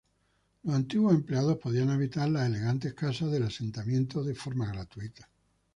Los antiguos empleados podían habitar las elegantes casas del asentamiento de forma gratuita.